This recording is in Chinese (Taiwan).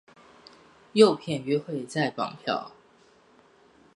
誘騙約會再綁票